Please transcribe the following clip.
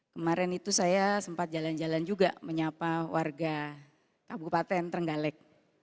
kemarin itu saya sempat jalan jalan juga menyapa warga kabupaten trenggalek